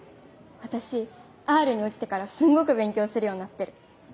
私Ｒに落ちてからすんごく勉強するようになってる。